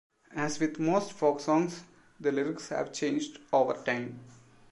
As with most folk songs, the lyrics have changed over time.